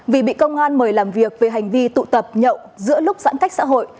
vì bị công an mời làm việc về hành vi tụ tập nhậu giữa lúc giãn cách xã hội